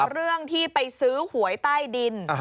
เรื่องที่ไปซื้อหวยใต้ดิน